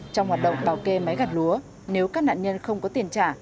trong hoạt động bảo kê máy gặt lúa nếu các nạn nhân không có tiền trả